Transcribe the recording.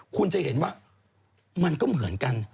คุณจะเห็นว่ามันก็เหมือนกัน